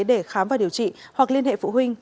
để khám và điều trị hoặc liên hệ phụ huynh